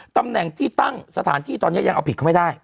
ตำแหน่งที่ตั้งสถานที่ตอนนี้ยังเอาผิดเขาไม่ได้